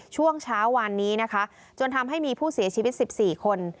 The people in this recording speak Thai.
ช่วงเช้าวันนี้นะคะจนทำให้มีผู้เสียชีวิต๑๔คน